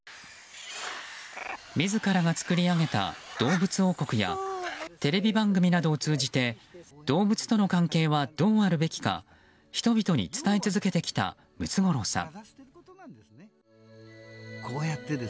自らが作り上げた動物王国やテレビ番組などを通じて動物との関係はどうあるべきか人々に伝え続けてきたムツゴロウさん。